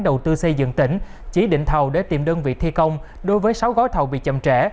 đầu tư xây dựng tỉnh chỉ định thầu để tìm đơn vị thi công đối với sáu gói thầu bị chậm trễ